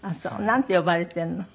なんて呼ばれてるの？